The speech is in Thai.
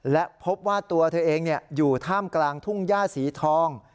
และพบว่าตัวเธอเองอยู่ท่ามกลางทุ่งย่าสีทอง